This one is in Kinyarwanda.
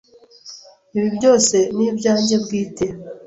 Ibi byose nibyanjye bwite.